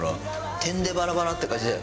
てんでバラバラって感じだよ